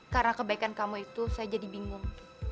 karena kebaikan kamu itu saya jadi bingung